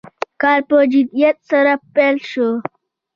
کار په جدیت سره پیل شو.